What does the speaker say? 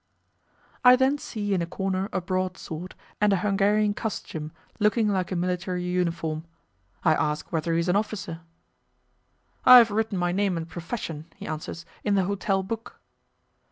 I then see in a corner a broad sword, and a Hungarian costume looking like a military uniform. I ask whether he is an officer. "I have written my name and profession," he answers, "in the hotel book."